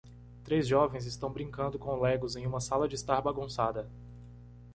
Três jovens estão brincando com Legos em uma sala de estar bagunçada.